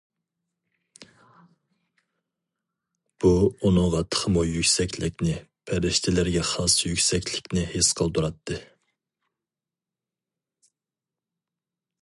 بۇ ئۇنىڭغا تېخىمۇ يۈكسەكلىكنى، پەرىشتىلەرگە خاس يۈكسەكلىكنى ھېس قىلدۇراتتى.